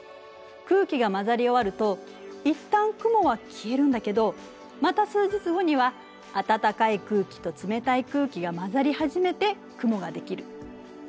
空気が混ざり終わるといったん雲は消えるんだけどまた数日後には暖かい空気と冷たい空気が混ざり始めて雲が出来る。